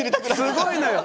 すごいのよ。